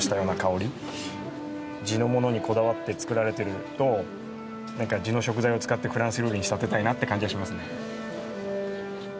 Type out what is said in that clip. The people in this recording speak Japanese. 地のものにこだわって造られていると地の食材を使ってフランス料理に仕立てたいなって感じがしますね。